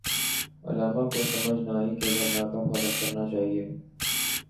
علامہ کو سمجھ نہ آئی کہ دھرنا کب ختم کرنا چاہیے۔